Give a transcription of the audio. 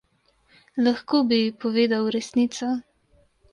Lahko bi ji povedal resnico.